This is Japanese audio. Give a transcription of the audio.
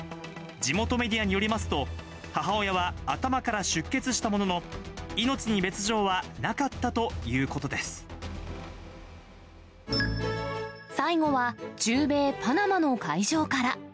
地元メディアによりますと、母親は頭から出血したものの、命に別状はなかったということで最後は、中米・パナマの海上から。